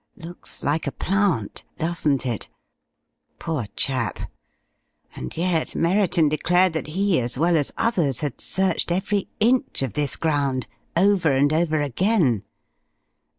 Looks like a plant, doesn't it? Poor chap!... And yet Merriton declared that he, as well as others, had searched every inch of this ground over and over again.